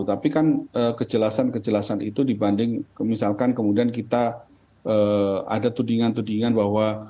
tapi kan kejelasan kejelasan itu dibanding misalkan kemudian kita ada tudingan tudingan bahwa